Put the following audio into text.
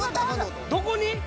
どこに！？